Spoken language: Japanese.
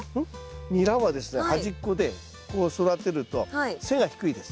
ニラはですね端っこで育てると背が低いです。